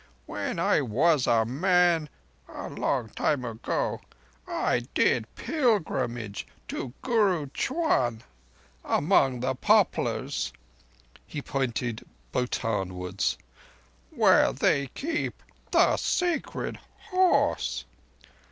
When I was a man—a long time ago—I did pilgrimage to Guru Ch'wan among the poplars" (he pointed Bhotanwards), "where they keep the Sacred Horse."